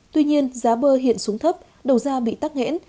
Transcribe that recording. tuy nhiên giá bơ hiện xuống thấp đầu ra bị tắc nghẽn